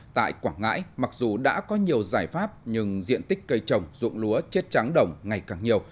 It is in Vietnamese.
tại quảng ngãi mặc dù đã có nhiều giải pháp nhưng diện tích cây trồng ruộng lúa chết trắng đồng ngày càng nhiều